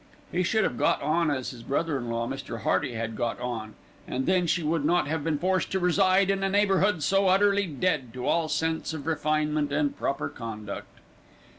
He should have got on as his brother in law, Mr. Hearty, had got on, and then she would not have been forced to reside in a neighbourhood so utterly dead to all sense of refinement and proper conduct.